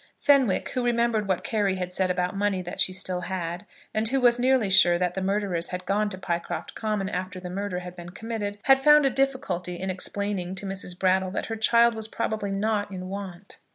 Fenwick, who remembered what Carry had said about money that she still had, and who was nearly sure that the murderers had gone to Pycroft Common after the murder had been committed, had found a difficulty in explaining to Mrs. Brattle that her child was probably not in want.